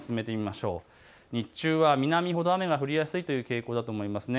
日中は南ほど雨が降りやすいという傾向だと思います。